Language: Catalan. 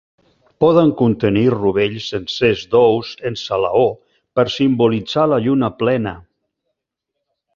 Poden contenir rovells sencers d'ous en salaó per simbolitzar la lluna plena.